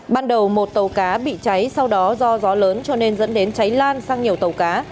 ban đầu một tàu cá bị cháy sau đó do gió lớn cho nên dẫn đến cháy lan sang nhiều tàu cá